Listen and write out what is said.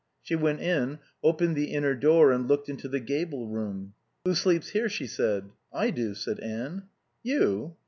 She went in, opened the inner door and looked into the gable room. "Who sleeps here?" she said. "I do," said Anne. "You?"